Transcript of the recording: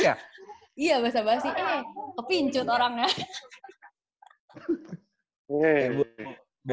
iya bahasa bahasi eh kepincut orangnya